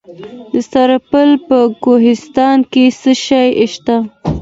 د سرپل په کوهستان کې څه شی شته؟